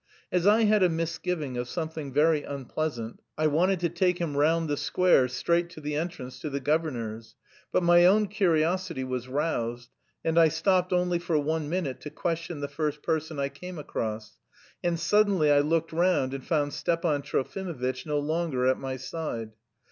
As I had a misgiving of something very unpleasant, I wanted to take him round the square straight to the entrance to the governor's, but my own curiosity was roused, and I stopped only for one minute to question the first person I came across, and suddenly I looked round and found Stepan Trofimovitch no longer at my side.